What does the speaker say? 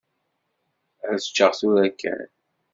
Ad ččeɣ tura kan.